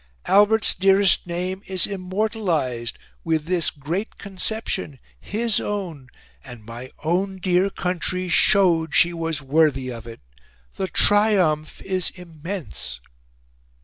Albert's dearest name is immortalised with this GREAT conception, HIS own, and my OWN dear country SHOWED she was WORTHY of it. The triumph is IMMENSE."